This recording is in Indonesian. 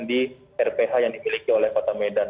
di rph yang dimiliki oleh kota medan